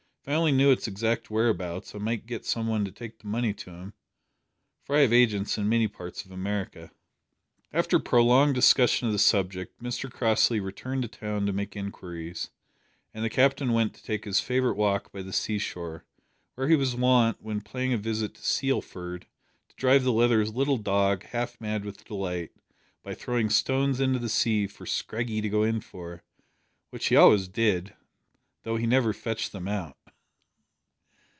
If I only knew its exact whereabouts I might get some one to take the money to him, for I have agents in many parts of America." After prolonged discussion of the subject, Mr Crossley returned to town to make inquiries, and the Captain went to take his favourite walk by the sea shore, where he was wont, when paying a visit to Sealford, to drive the Leathers' little dog half mad with delight by throwing stones into the sea for Scraggy to go in for which he always did, though he never fetched them out.